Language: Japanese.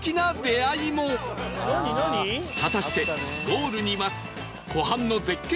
果たしてゴールに待つ湖畔の絶景